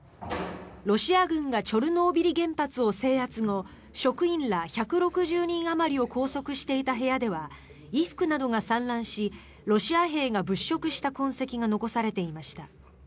ロシア軍がチョルノービリ原発を制圧後職員ら１６０人あまりを拘束していた部屋では衣服などが散乱しロシア兵が物色した痕跡が残されていました。